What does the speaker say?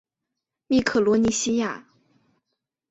密克罗尼西亚。